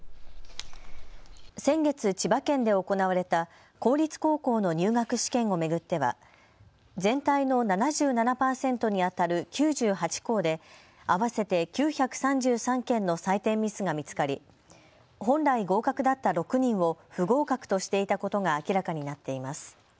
先月、千葉県で行われた公立高校の入学試験を巡っては全体の７７％にあたる９８校で合わせて９３３件の採点ミスが見つかり本来合格だった６人を不合格としていたことが明らかになっています。